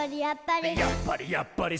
「やっぱり！